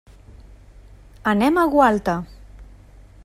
Anem a Gualta.